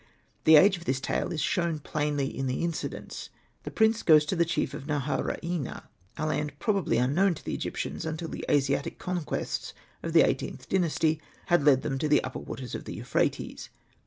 The age of this tale is shown plainly in the inci dents. The prince goes to the chief of Naharaina^ a land probably unknown to the Egyptians until the Asiatic conquests of the XVIIIth Dynasty had led them to the upper waters of the Euphrates.